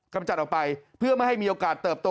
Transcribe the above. กำจัดออกไปเพื่อไม่ให้มีโอกาสเติบโต